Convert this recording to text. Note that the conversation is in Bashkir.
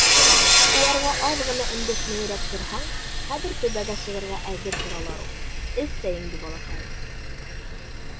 Уларға аҙ ғына өндәшмәйерәк торһаң, хәҙер түбәгә сығырға әҙер торалар ул. Эс сәйеңде, балаҡайым.